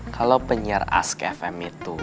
kalo penyiar ask fm itu